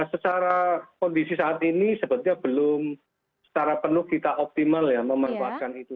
secara kondisi saat ini sebetulnya belum secara penuh kita optimal ya memanfaatkan itu